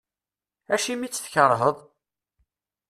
Acimi i tt-tkerheḍ?